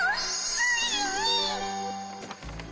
ついに！